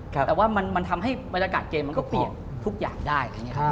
แต่ว่ามันทำให้บรรยากาศเกมก็เปลี่ยนทุกอย่างได้